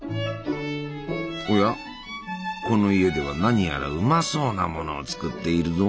おやこの家では何やらうまそうなものを作っているぞ。